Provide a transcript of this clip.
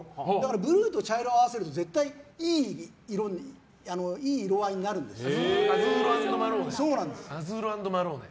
ブルーと茶色を合わせると絶対いい色合いになるんですよ。